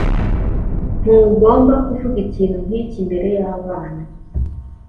Ntugomba kuvuga ikintu nkicyo imbere yabana.